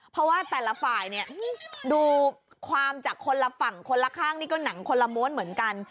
เพราะว่าแต่ละฝ่ายเนี่ยดูความจากคนละฝั่งคนละข้างนี่ก็หนังคนละม้วนเหมือนกัน